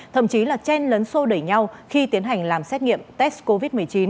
thậm chí là chen lấn sô đẩy nhau khi tiến hành làm xét nghiệm test covid một mươi chín